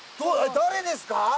誰ですか？